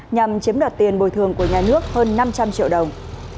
nhằm chiếm đoạt tiền bồi thường của nhà nước hơn năm trăm linh triệu đồng